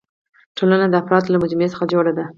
ټولنه د افرادو له مجموعي څخه جوړه ده.